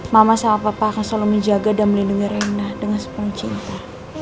mama sama papa akan selalu menjaga dan melindungi rendah dengan sepuluh cinta